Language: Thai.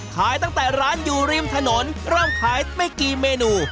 ขายตั้งแต่ร้านอยู่ริมถนนเริ่มขายไม่กี่เมนู